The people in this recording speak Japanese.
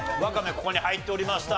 ここに入っておりました。